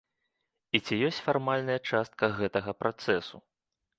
І ці ёсць фармальная частка гэтага працэсу.